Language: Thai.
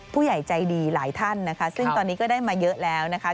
ผู้ใหญ่ใจดีหลายท่านนะคะซึ่งตอนนี้ก็ได้มาเยอะแล้วนะคะ